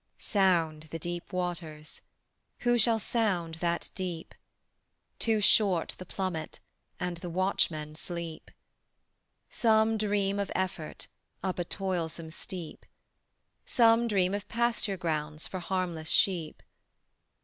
Sound the deep waters: Who shall sound that deep? Too short the plummet, And the watchmen sleep. Some dream of effort Up a toilsome steep; Some dream of pasture grounds For harmless sheep.